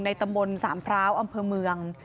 ตำบลสามพร้าวอำเภอเมือง